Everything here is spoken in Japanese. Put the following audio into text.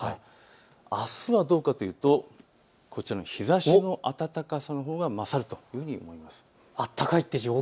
あすはどうかというとこちらの日ざしの暖かさのほうが勝るというふうに見られます。